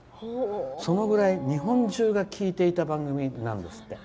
そのぐらい日本中が聞いていた番組なんですって。